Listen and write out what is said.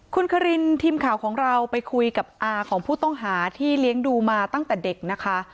คุณคารินทีมข่าวของเราไปคุยกับอาของผู้ต้องหาที่เลี้ยงดูมาตั้งแต่เด็กนะคะ